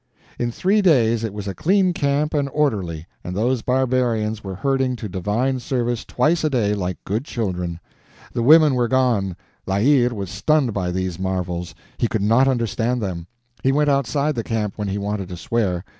In three days it was a clean camp and orderly, and those barbarians were herding to divine service twice a day like good children. The women were gone. La Hire was stunned by these marvels; he could not understand them. He went outside the camp when he wanted to swear.